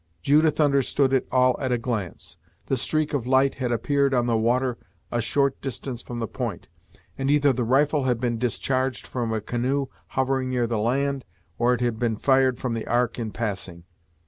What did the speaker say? Judith understood it all at a glance. The streak of light had appeared on the water a short distance from the point, and either the rifle had been discharged from a canoe hovering near the land, or it had been fired from the ark in passing.